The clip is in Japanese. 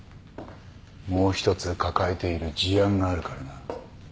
もう一つ抱えている事案があるからな。